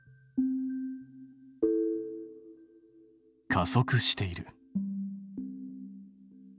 加速している。